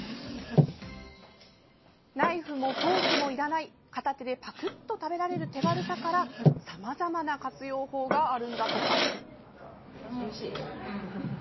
ナイフもフォークもいらない片手でぱくっと食べられる手軽さからさまざまな活用法があるんだとか。